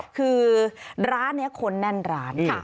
คือร้านคนแน่นร้านค่ะ